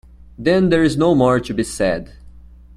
Then there is no more to be said.